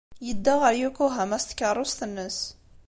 Yedda ɣer Yokohama s tkeṛṛust-nnes.